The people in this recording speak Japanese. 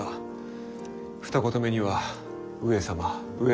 二言目には上様上様上様。